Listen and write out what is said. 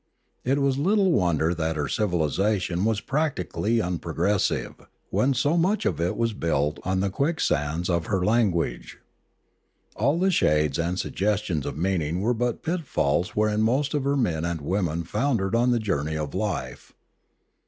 It was little wonder that her civil isation was practically unprogressive, when so much of it was built on the quicksands of her language. All the shades and suggestions of meaning were but pitfalls wherein most of her men and women foundered on the journey of life.